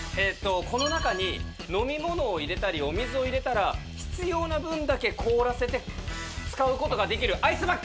この中に飲み物を入れたりお水を入れたら必要な分だけ凍らせて使うことができるアイスバッグ！